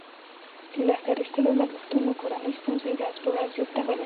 د لښکر ایستلو لګښتونو کورنۍ ستونزې ورځ په ورځ زیاتولې.